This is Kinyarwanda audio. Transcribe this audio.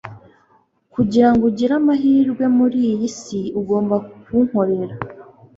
kugira ngo ugire amahirwe mur’iyi si ugomba kunkorera